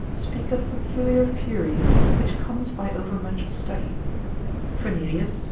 3, speak of a peculiar fury, which comes by overmuch study. Fernelius, lib.